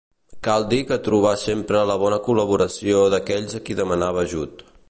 Cal dir que trobà sempre la bona col·laboració d'aquells a qui demanava ajut.